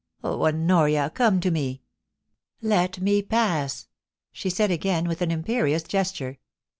Oh, Honoria, come to me !Let me pass/ she said again, with an imperious gesture.